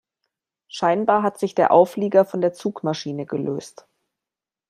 Scheinbar hat sich der Auflieger von der Zugmaschine gelöst.